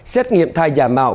xét nghiệm thai giả mạo